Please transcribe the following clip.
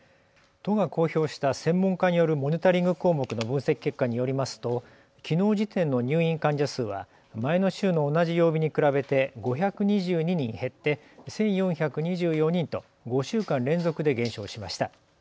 都が公表した専門家によるモニタリング項目の分析結果によりますと、きのう時点の入院患者数は前の週の同じ曜日に比べて５２２人減って１４２４人と５週間連続で減少しました。